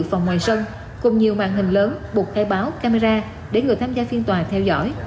phòng ngoài sân cùng nhiều mạng hình lớn bụt hay báo camera để người tham gia phiên tòa theo dõi